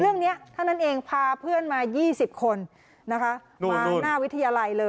เรื่องเนี้ยท่านนั้นเองพาเพื่อนมายี่สิบคนนะคะนู่นนู่นมาหน้าวิทยาลัยเลย